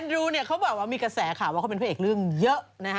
แอนดรูนี่เขาบอกว่ามีความแข็งข้าวว่าเขาเป็นผู้เอกเรื่องเยอะ